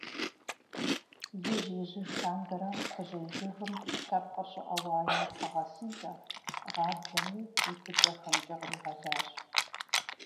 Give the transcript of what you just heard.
Ижь-ижьыж лъандэрэ кхъужьей жыгым лъэпкъыр щӀыӀэ-уаем пхъэ гъэсынкӀэ, гъаблэми и пыкӀэхэмкӀэ къригъэлащ.